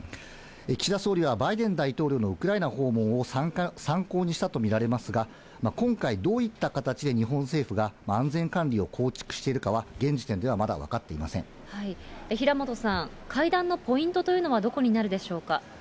岸田総理はバイデン大統領のウクライナ訪問を参考にしたと見られますが、今回、どういった形で日本政府が安全管理を構築しているかは、現時点で平本さん、会談のポイントというのはどこになるでしょうか。